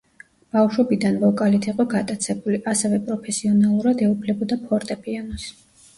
ბავშვობიდან ვოკალით იყო გატაცებული, ასევე პროფესიონალურად ეუფლებოდა ფორტეპიანოს.